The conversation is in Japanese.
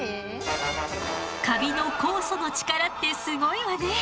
カビの酵素の力ってすごいわね。